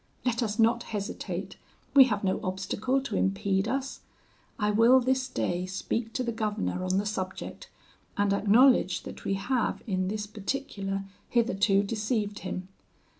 Let us not hesitate; we have no obstacle to impede us: I will this day speak to the governor on the subject, and acknowledge that we have in this particular hitherto deceived him.